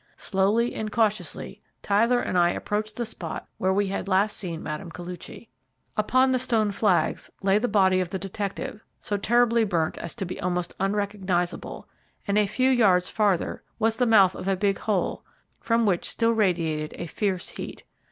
Slowly and cautiously Tyler and I approached the spot where we had last seen Mme. Koluchy. Upon the stone flags lay the body of the detective, so terribly burnt as to be almost unrecognisable, and a few yards farther was the mouth of a big hole, from which still radiated a fierce heat.